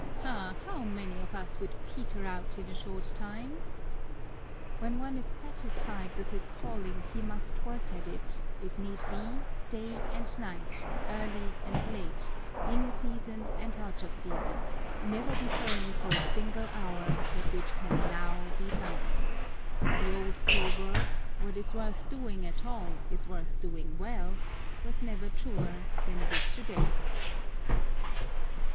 Ah! how many of us would 'peter' out in a short time? When one is satisfied with his calling he must work at it, if need be, day and night, early and late, in season and out of season, never deferring for a single hour that which can NOW be done. The old proverb, 'What is worth doing at all is worth doing well,' was never truer than it is to day."